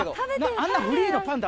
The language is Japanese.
あんなフリーのパンダ。